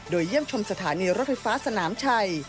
โดยเยี่ยมชมสถานีรถไฟฟ้าสนามชัย